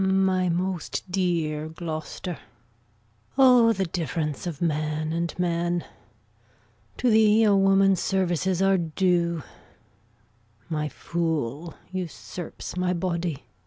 My most dear Gloucester! O, the difference of man and man! To thee a woman's services are due; My fool usurps my body.